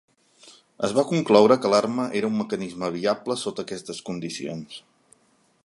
Es va concloure que l'arma era un mecanisme viable sota aquestes condicions.